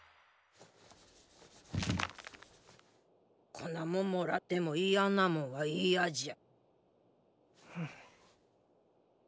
こんなもんもらっても嫌なもんは嫌じゃ。